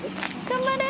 頑張れ！